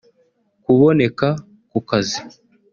kuboneka ku kazi